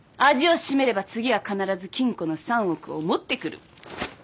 味を占めれば次は必ず金庫の３億を持ってくる。